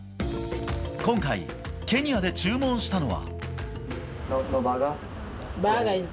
今回、ケニアで注文したのは。